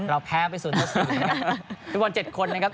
เราแพ้ไปสวนท่านสองนะครับ